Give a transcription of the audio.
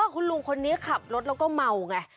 คุณลุงคนนี้ขับรถแล้วก็เมาไง